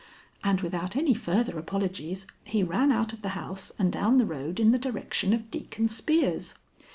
And without any further apologies, he ran out of the house and down the road in the direction of Deacon Spear's.